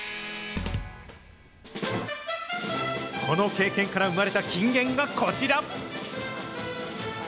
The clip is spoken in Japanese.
この経験から生まれた金言がこちら。